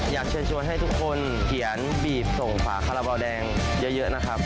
อยากเชิญชวนให้ทุกคนเขียนบีบส่งฝาคาราบาลแดงเยอะนะครับ